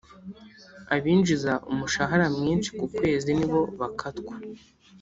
abinjiza umushahara mwishi kukwezi nibo bakatwa